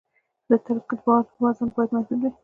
د ټرک د بار وزن باید محدود وي.